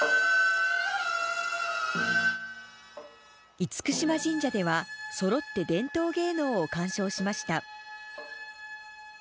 厳島神社では、そろって伝統芸能を鑑賞しました。